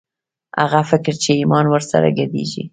هغه فکر چې ایمان ور سره ګډېږي